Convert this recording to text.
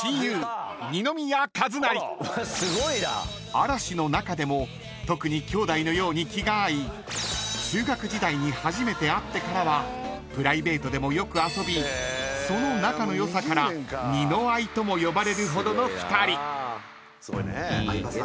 ［嵐の中でも特に兄弟のように気が合い中学時代に初めて会ってからはプライベートでもよく遊びその仲の良さからにのあいとも呼ばれるほどの２人］